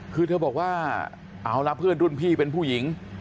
คือเธอบอกว่าเอาละเพื่อนรุ่นพี่เป็นผู้หญิง